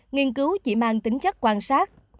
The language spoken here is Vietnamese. nghiên cứu chỉ mang tính chất quan sát